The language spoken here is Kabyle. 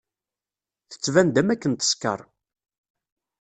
Tettban-d am akken teskeṛ.